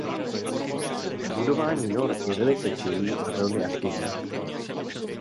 V budování nor je velice čilý a velmi aktivní.